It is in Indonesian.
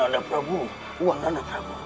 nanda prabu uang nanda prabu